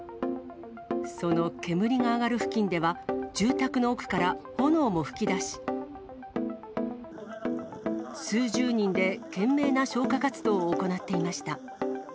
その煙が上がる付近では、住宅の奥から炎も噴き出し、数十人で懸命な消火活動を行っていました。